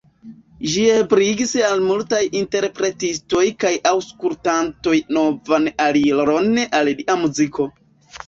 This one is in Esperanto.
Ĝi ebligis al multaj interpretistoj kaj aŭskultantoj novan aliron al lia muziko.